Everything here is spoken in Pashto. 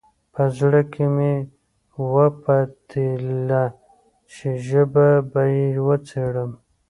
په زړه کې مې وپتېیله چې ژبه به یې وڅېړم.